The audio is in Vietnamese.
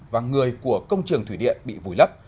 và người của công trường thủy điện bị vùi lấp